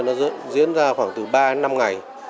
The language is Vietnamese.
nó diễn ra khoảng từ ba đến năm ngày